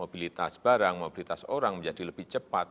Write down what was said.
mobilitas barang mobilitas orang menjadi lebih cepat